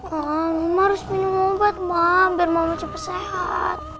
ma mama harus minum obat ma biar mama cepet sehat